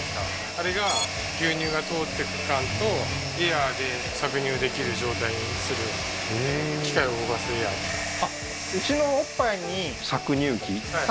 あれが牛乳が通ってく管とエアーで搾乳できる状態にする機械を動かすエアーです